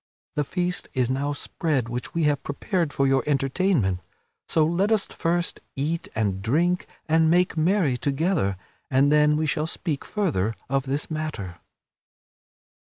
the feast is now spread which we have prepared for your entertainment. So let us first eat and drink and make merry together, and then we shall speak further of this matter."